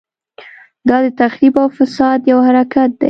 دا د تخریب او فساد یو حرکت دی.